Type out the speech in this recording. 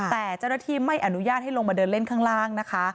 แต่เจ้าหน้าที่ไม่อนุญาตให้ลงมาเดินเล่นข้างล่างนะคะ